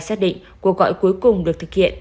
xác định cuộc gọi cuối cùng được thực hiện